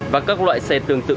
và các loại xe tương tự